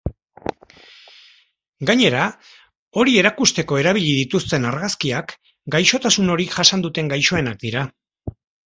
Gainera, hori erakusteko erabili dituzten argazkiak gaixotasun hori jasan duten gaixoenak dira.